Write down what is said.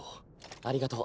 ありがとう。